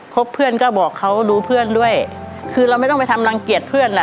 เพื่อนก็บอกเขาดูเพื่อนด้วยคือเราไม่ต้องไปทำรังเกียจเพื่อนอ่ะ